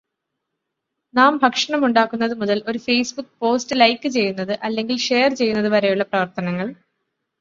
നാം ഭക്ഷണമുണ്ടാക്കുന്നത് മുതൽ ഒരു ഫെയ്സ്ബുൿ പോസ്റ്റ് ലൈക്ക് ചെയ്യുന്നത് അല്ലെങ്കിൽ ഷെയർ ചെയ്യുന്നത് വരെയുള്ള പ്രവർത്തനങ്ങൾ